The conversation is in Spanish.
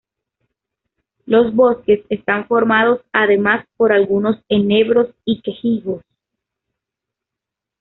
Los bosques están formados además por algunos enebros y quejigos.